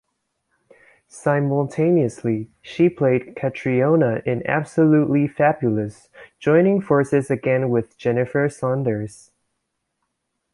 Simultaneously, she played Catriona in "Absolutely Fabulous", joining forces again with Jennifer Saunders.